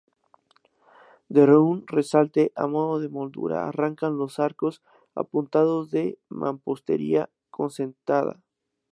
De un resalte, a modo de moldura arrancan los arcos apuntados de mampostería concertada.